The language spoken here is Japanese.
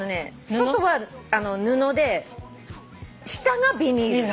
外は布で下がビニール。